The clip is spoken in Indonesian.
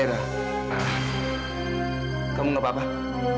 kalau gugup ini bisa lah